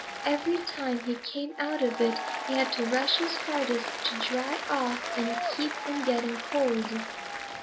Every time he came out of it, he had to run his hardest to dry off and keep from getting cold.